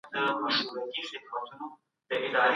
څنګه ښه ملګري زموږ رواني روغتیا پیاوړې کوي؟